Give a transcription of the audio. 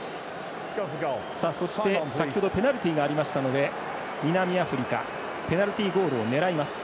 そして、先ほどペナルティがありましたので南アフリカペナルティゴールを狙います。